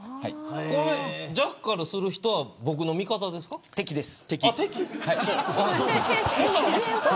これ、ジャッカルをする人は僕の味方です敵です。